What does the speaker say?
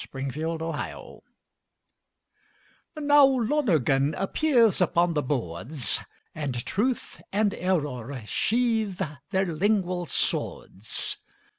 AN INTERPRETATION Now Lonergan appears upon the boards, And Truth and Error sheathe their lingual swords.